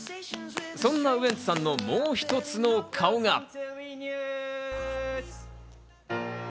そんなウエンツさんのもう一つの顔が。